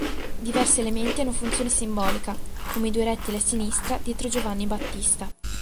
Diversi elementi hanno funzione simbolica, come i due rettili a sinistra dietro Giovanni Battista.